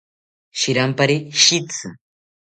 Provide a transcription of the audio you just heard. Shirampari shitzi